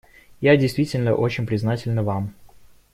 Я действительно очень признательна вам.